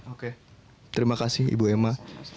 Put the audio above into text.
oke terima kasih ibu emma